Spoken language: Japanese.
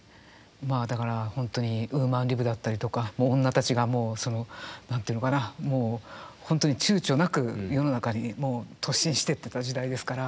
まあだから本当にウーマンリブだったりとか女たちがもうその何て言うのかなもう本当に躊躇なく世の中に突進していってた時代ですから。